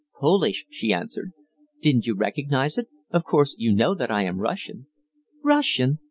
'Polish,' she answered. "Didn't you recognize it? Of course, you know that I am Russian." "Russian!